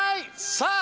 さあ